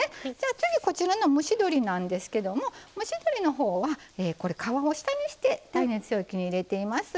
次、蒸し鶏なんですけども蒸し鶏のほうは皮を下にして耐熱容器に入れています。